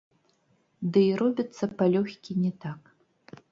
Дый робяцца палёгкі не так.